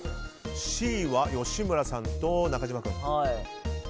Ｃは吉村さんと中島君。